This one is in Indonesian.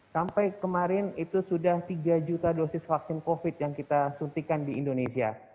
sampai kemarin itu sudah tiga juta dosis vaksin covid yang kita suntikan di indonesia